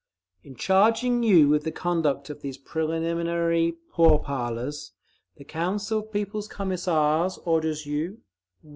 In charging you with the conduct of these preliminary pourparlers, the Council of People's Commissars orders you: 1.